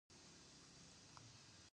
یو ماشوم ورته د خزانې خبر ورکوي.